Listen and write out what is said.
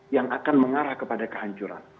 yang akan mengarah kepada kehancuran